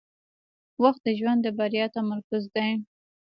• وخت د ژوند د بریا تمرکز دی.